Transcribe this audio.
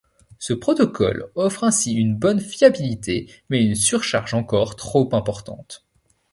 Ce protocole offre ainsi une bonne fiabilité mais une surcharge encore trop importante.